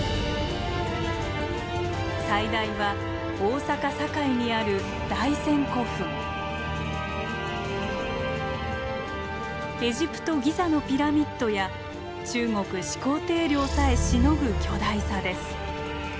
最大は大阪・堺にあるエジプトギザのピラミッドや中国始皇帝陵さえしのぐ巨大さです。